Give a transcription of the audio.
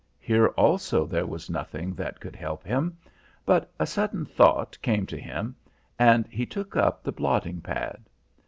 Here also there was nothing that could help him. But a sudden thought, came to him, and he took up the blotting pad.